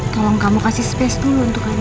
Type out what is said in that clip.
tolong kamu kasih space dulu untuk hari ini